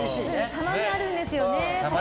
たまにあるんですよね。